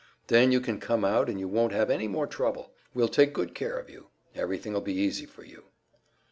Then you can come out and you won't have any more trouble. We'll take good care of you; everything'll be easy for you."